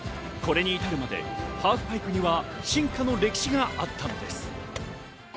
これに至るまでハーフパイプには進化の歴史があったのです。